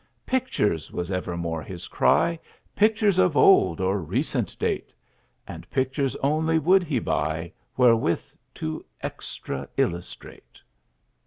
"Pictures!" was evermore his cry "Pictures of old or recent date," And pictures only would he buy Wherewith to "extra illustrate."